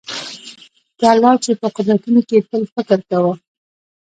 د الله چي په قدرتونو کي تل فکر کوه